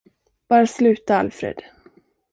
Bara sluta, Alfred.